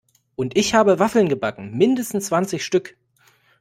Und ich habe Waffeln gebacken, mindestens zwanzig Stück!